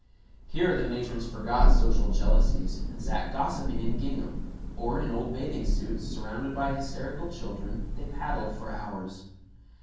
Here the matrons forgot social jealousies, and sat gossiping in gingham; or, in old bathing suits, surrounded by hysterical children, they paddled for hours.